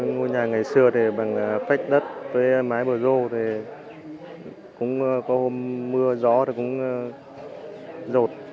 ngôi nhà ngày xưa bằng phách đất với mái bờ rô có hôm mưa gió cũng rột